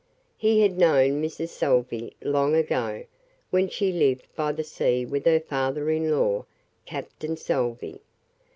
He had known Mrs. Salvey long ago, when she lived by the sea with her father in law, Captain Salvey.